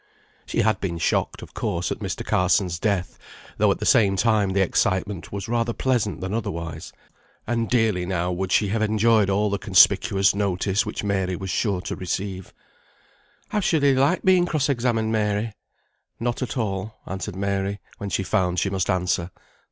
She had been shocked, of course, at Mr. Carson's death, though at the same time the excitement was rather pleasant than otherwise; and dearly now would she have enjoyed the conspicuous notice which Mary was sure to receive. "How shall you like being cross examined, Mary?" "Not at all," answered Mary, when she found she must answer.